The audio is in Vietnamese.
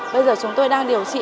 bây giờ chúng tôi đang điều trị